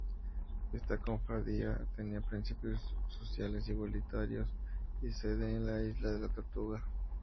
Esta cofradía tenía principios sociales igualitarios y sede en la Isla de la Tortuga.